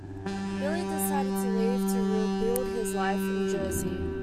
Billy decided to leave to rebuild his life in Jersey.